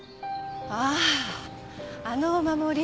あああのお守り？